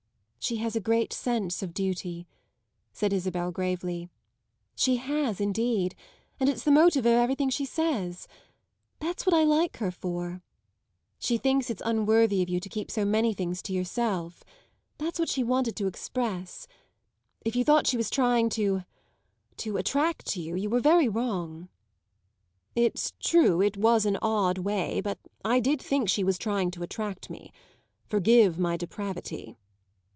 "She has a great sense of duty," said Isabel gravely. "She has indeed, and it's the motive of everything she says. That's what I like her for. She thinks it's unworthy of you to keep so many things to yourself. That's what she wanted to express. If you thought she was trying to to attract you, you were very wrong." "It's true it was an odd way, but I did think she was trying to attract me. Forgive my depravity."